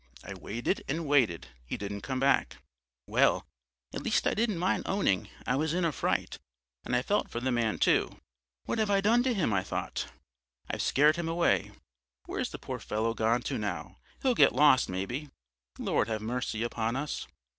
I waited and waited; he didn't come back. Well, at least I don't mind owning, I was in a fright, and I felt for the man too. What have I done to him? I thought. I've scared him away. Where's the poor fellow gone to now? He'll get lost maybe. Lord have mercy upon us!